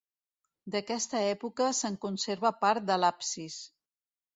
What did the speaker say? D'aquesta època se'n conserva part de l'absis.